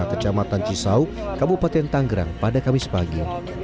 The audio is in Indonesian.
kecamatan cisau kabupaten tanggerang pada kamis pagi